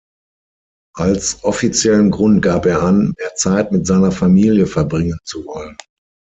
Als offiziellen Grund gab er an, mehr Zeit mit seiner Familie verbringen zu wollen.